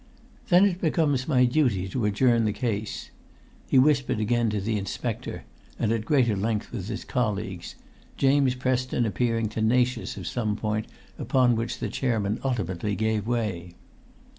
"Then it becomes my duty to adjourn the case." He whispered again to the inspector, and at greater length with his colleagues, James Preston appearing tenacious of some point upon which the chairman ultimately gave way.